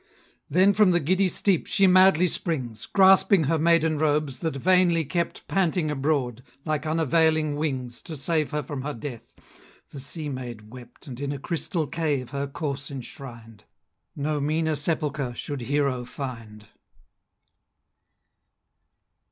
Then from the giddy steep she madly springs, Grasping her maiden robes, that vainly kept Panting abroad, like unavailing wings, To save her from her death. The sea maid wept And in a crystal cave her corse enshrined; No meaner sepulchre should Hero find! BALLAD.